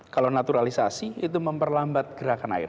kalau naturalisasi itu memperlambat gerakan air